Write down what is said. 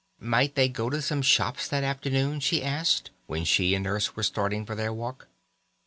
Might they go to some shops that afternoon, she asked, when she and Nurse were starting for their walk.